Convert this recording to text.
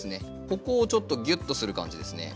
ここをちょっとぎゅっとする感じですね。